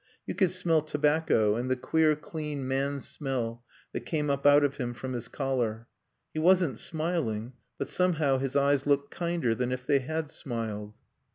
You could smell tobacco, and the queer, clean man's smell that came up out of him from his collar. He wasn't smiling; but somehow his eyes looked kinder than if they had smiled.